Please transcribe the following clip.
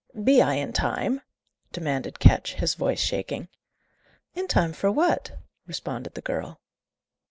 "Be I in time?" demanded Ketch, his voice shaking. "In time for what?" responded the girl.